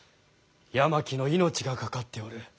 八巻の命がかかっておる。